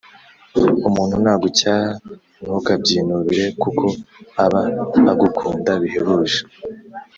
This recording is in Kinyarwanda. Umuntu nagucyaha ntukabyinubire kuko aba agukunda bihebuje